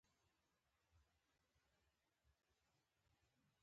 د یو هېواد پانګوال بل ته خپله پانګه پور ورکوي